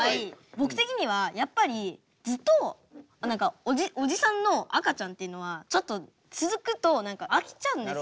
僕的にはやっぱりずっとおじさんの赤ちゃんっていうのはちょっと続くと飽きちゃうんですよ。